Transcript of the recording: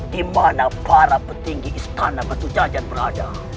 dimana para petinggi istana batu jajar berada